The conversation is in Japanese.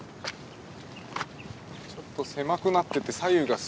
ちょっと狭くなってて左右がすりますので。